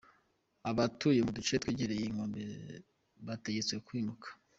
Abatuye mu duce twegereye inkombe bategetswe kwimuka.